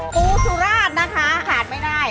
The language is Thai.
ปูสุราชนะคะขาดไม่ได้